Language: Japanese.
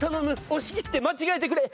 押し切って間違えてくれ！